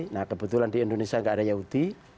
nah kebetulan di indonesia nggak ada yahudi